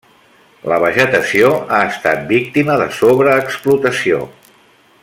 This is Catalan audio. La vegetació ha estat víctima de sobreexplotació.